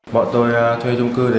bọn tôi thuê trung cư để